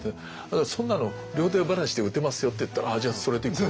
「そんなの両手離しで撃てますよ」って言ったら「じゃあそれでいこう」。